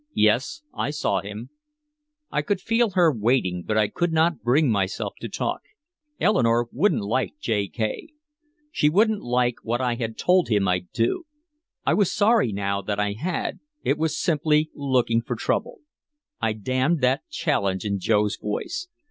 "Yes I saw him " I could feel her waiting, but I could not bring myself to talk. Eleanore wouldn't like J. K. She wouldn't like what I had told him I'd do. I was sorry now that I had, it was simply looking for trouble. I damned that challenge in Joe's voice.